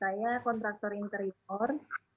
saya kontraktor interior